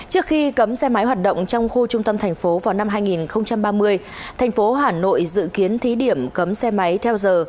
trước khi cấm xe máy hoạt động trong khu trung tâm thành phố vào năm hai nghìn ba mươi thành phố hà nội dự kiến thí điểm cấm xe máy theo giờ